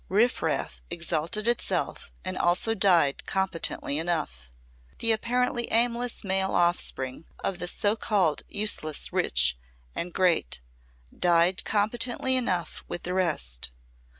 Riff raff exalted itself and also died competently enough. The apparently aimless male offspring of the so called useless rich and great died competently enough with the rest.